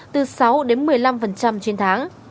từ sáu đến một mươi năm trên tháng